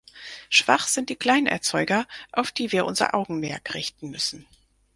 Schwach sind die Kleinerzeuger, auf die wir unser Augenmerk richten müssen.